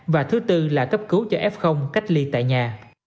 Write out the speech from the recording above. và thứ tư là cấp cứu cho f cách ly tại nhà